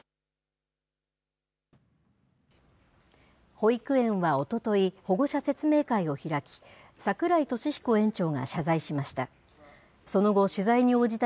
保育園はおととい、保護者説明会を開き、櫻井利彦園長が謝罪しました。